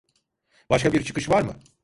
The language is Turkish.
Başka bir çıkış var mı?